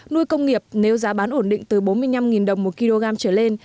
nuôi công nghiệp nếu giá bán ổn định từ bốn mươi năm đồng một kg trở lên